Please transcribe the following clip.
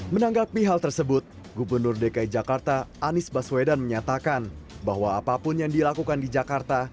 menanggapi hal tersebut gubernur dki jakarta anies baswedan menyatakan bahwa apapun yang dilakukan di jakarta